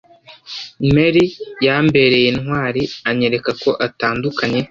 mary yambereye intwari anyerekako atandukanye